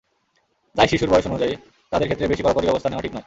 তাই শিশুর বয়স অনুযায়ী তাদের ক্ষেত্রে বেশি কড়াকড়ি ব্যবস্থা নেওয়া ঠিক নয়।